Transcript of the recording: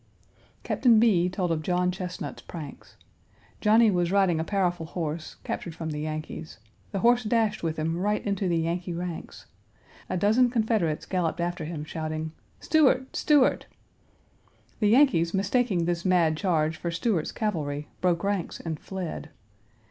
Captain B. told of John Chesnut's pranks. Johnny was riding a powerful horse, captured from the Yankees. The horse dashed with him right into the Yankee ranks. A dozen Confederates galloped after him, shouting, "Stuart! Stuart!" The Yankees, mistaking this mad charge for Stuart's cavalry, broke ranks and fled.